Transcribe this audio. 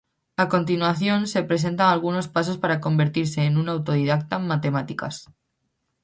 A continuación se presentan algunos pasos para convertirse en un autodidacta en matemáticas